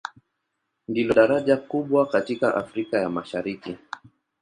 Ndilo daraja kubwa katika Afrika ya Mashariki.